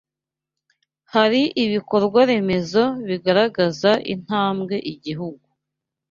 hari ibikorwa remezo bigaragaza intambwe igihugu